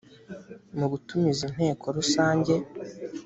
mu gutumiza inteko rusange